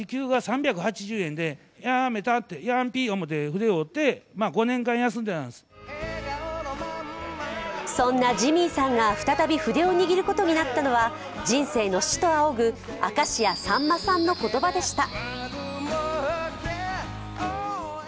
そのわけがそんなジミーさんが再び筆を握ることになったのは人生の師と仰ぐ明石家さんまさんの言葉でした。